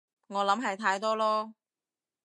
我諗係太多囉